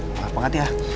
apa banget ya